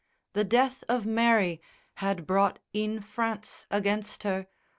The death of Mary Had brought e'en France against her.